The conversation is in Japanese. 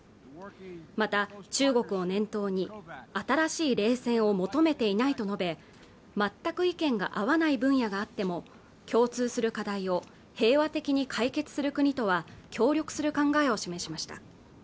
また中国を念頭に新しい冷戦を求めていないと述べ全く意見が合わない分野があっても共通する課題を平和的に解決する国とは協力する考えを示しました